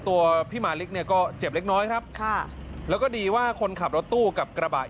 ตัวพี่มาริกเนี่ยก็เจ็บเล็กน้อยครับ